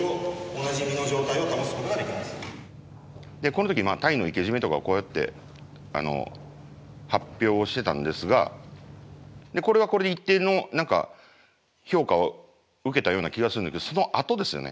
この時タイの生け締めとかこうやって発表をしてたんですがこれはこれで一定の何か評価を受けたような気がするんだけどそのあとですよね。